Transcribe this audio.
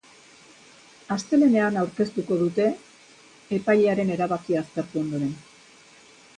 Astelehenean aurkeztuko dute, epailearen erabakia aztertu ondoren.